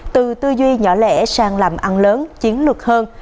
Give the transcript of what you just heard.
từ tư duy nhỏ lẻ sang làm ăn lớn chiến lược hơn